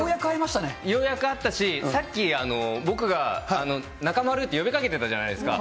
ようやく会ったし、さっき、僕が中丸って、呼びかけてたじゃないですか。